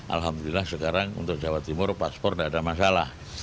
alhamdulillah sekarang untuk jawa timur paspor tidak ada masalah